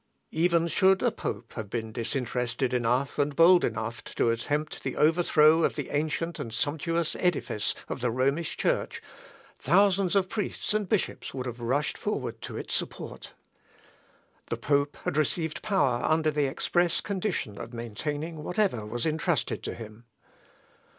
Even should a pope have been disinterested enough, and bold enough to attempt the overthrow of the ancient and sumptuous edifice of the Romish Church, thousands of priests and bishops would have rushed forward to its support. The pope had received power under the express condition of maintaining whatever was entrusted to him.